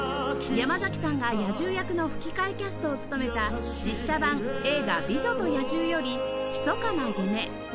山崎さんが野獣役の吹き替えキャストを務めた実写版映画『美女と野獣』より『ひそかな夢』